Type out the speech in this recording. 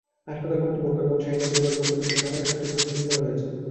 হাসপাতাল কর্তৃপক্ষ এবং শাহিনার পরিবারের পক্ষ থেকে খবরের সত্যতা নিশ্চিত করা হয়েছে।